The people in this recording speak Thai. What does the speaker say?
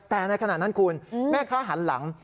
แต่ในขณะนั้นคุณแม่ค้าหันหลัง